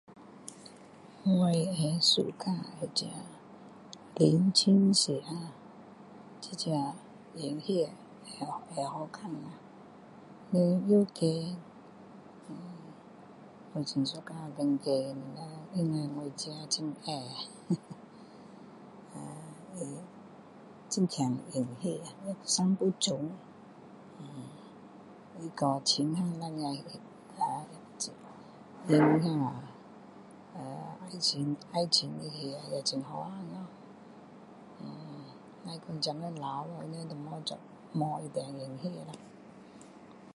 我会喜欢那个林青霞啊这个演戏会好会好看啊人又高呃…我很喜欢高高的人因为我自己很矮哈…啊呃…很棒演戏长又美她和秦汉两个呃爱情爱情的戏也很好看哦呃…只是现在老了他们都没做没一定演戏啦